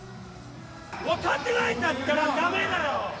分かってないだったらだめだよ。